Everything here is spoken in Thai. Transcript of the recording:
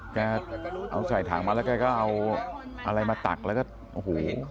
แกเอาใส่ถังมาแล้วแกก็เอาอะไรมาตักแล้วก็โอ้โห